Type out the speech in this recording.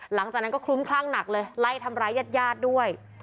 หลังจากนั้นก็คลุ้มคลั่งหนักเลยไล่ทำร้ายญาติญาติด้วย